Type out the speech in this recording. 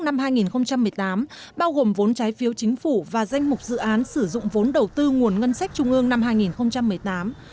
năm hai nghìn một mươi tám bao gồm vốn trái phiếu chính phủ và danh mục dự án sử dụng vốn đầu tư nguồn ngân sách trung ương năm hai nghìn một mươi tám